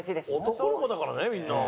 男の子だからねみんな。